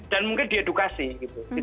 dan mungkin diedukasi gitu